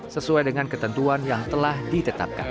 sesuai dengan ketentuan yang telah ditetapkan